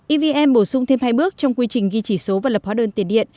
evn bổ sung thêm hai bước trong quy trình ghi chỉ số và lập hóa đơn tiền điện